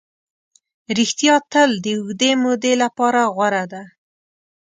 ریښتیا تل د اوږدې مودې لپاره غوره ده.